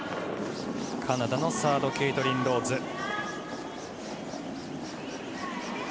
カナダのサードケイトリン・ローズ。